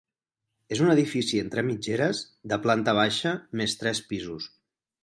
És un edifici entre mitgeres de planta baixa més tres pisos.